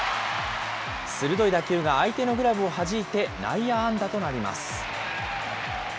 鋭い打球が相手のグラブをはじいて内野安打となります。